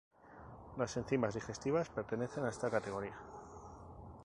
Las enzimas digestivas pertenecen a esta categoría.